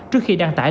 trước khi đăng tải